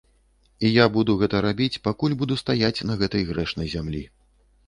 І я буду гэта рабіць, пакуль буду стаяць на гэтай грэшнай зямлі.